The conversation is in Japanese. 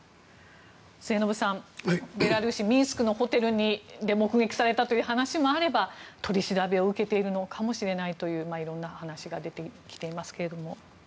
末延さんベラルーシ・ミンスクのホテルで目撃されたという話もあれば取り調べを受けているのかもしれないという色んな話が出てきていますけれども。